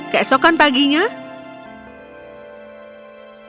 pada paginya keesokan